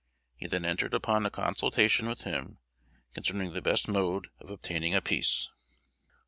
He then entered upon a consultation with him concerning the best mode of obtaining a peace.